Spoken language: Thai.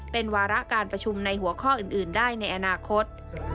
เป็นวาระการประชุมในหัวข้ออื่นได้ในอนาคต